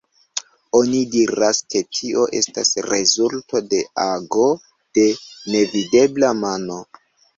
Oni diras, ke tio estas rezulto de ago de nevidebla mano.